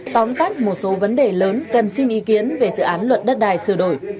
tóm tắt một số vấn đề lớn cần xin ý kiến về dự án luật đất đai sửa đổi